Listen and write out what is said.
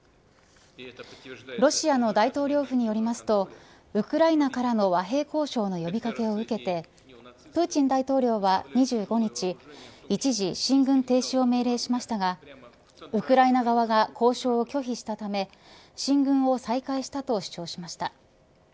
ロシアの大統領府によりますとウクライナからの和平交渉の呼び掛けを受けてプーチン大統領は２５日一時、進軍停止を命令しましたがウクライナ側が交渉を拒否したため進軍を再開したと主張しました。